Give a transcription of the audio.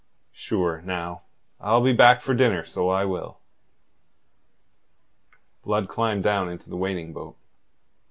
Sure, now, I'll be back for dinner, so I will." Blood climbed down into the waiting boat.